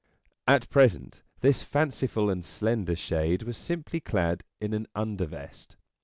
At present this fanciful and slender shade was simply clad in an undervest.